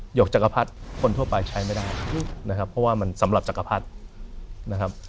ยกจักรพรรดิคนทั่วไปใช้ไม่ได้นะครับเพราะว่ามันสำหรับจักรพรรดินะครับ